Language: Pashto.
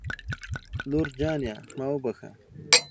لور جانې ما وبښه